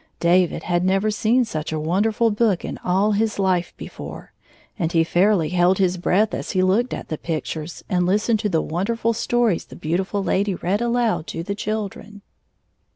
David had never seen such a wonderfiil book in all his life before, and he fairly held his breath as he looked at the pictures and hstened to the wonderful stories the beautiftd lady read aloud to the children.